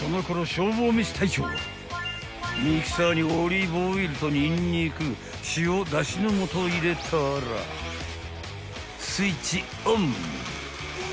消防めし隊長はミキサーにオリーブオイルとニンニク塩だしの素を入れたらスイッチオン］